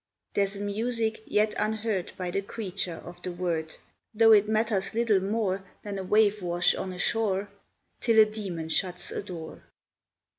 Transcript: There's a music yet unheard By the creature of the word, Though it matters little more Than a wave wash on a shore Till a Demon shuts a door.